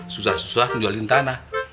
susah susah menjualin tanah